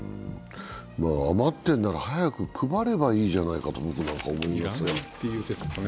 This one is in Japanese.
余っているなら早く配ればいいじゃないかと、僕なんかは思いますけどね。